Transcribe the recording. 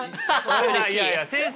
いやいや先生